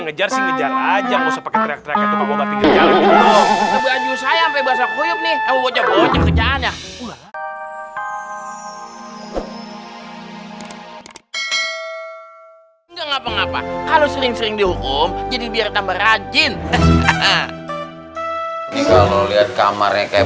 nggak apa apa kalau sering sering dihukum jadi biar tambah rajin kalau lihat kamarnya kayak